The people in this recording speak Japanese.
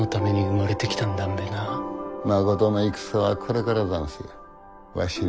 まことの戦はこれからざんすよ。